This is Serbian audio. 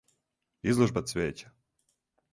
Изложба цвећа.